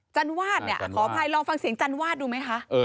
จันวาดเนี่ยขออภัยลองฟังเสียงจันวาดดูไหมคะ